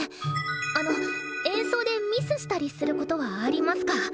あの演奏でミスしたりすることはありますか？